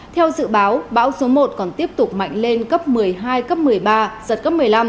theo dự báo bão số một còn tiếp tục mạnh lên cấp một mươi hai cấp một mươi ba giật cấp một mươi năm